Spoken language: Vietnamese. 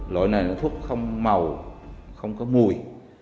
lỗi này là thuốc không màu không có mùi